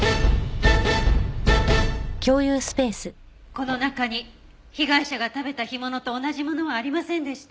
この中に被害者が食べた干物と同じものはありませんでした。